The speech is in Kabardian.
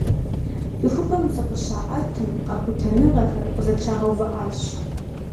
Цӏыхубэм зыкъыщаӀэтым, къэхутэныгъэхэр къызэтрагъэувыӀащ.